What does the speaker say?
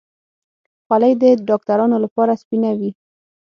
خولۍ د ډاکترانو لپاره سپینه وي.